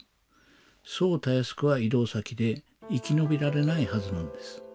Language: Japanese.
そうたやすくは移動先で生き延びられないはずなんです。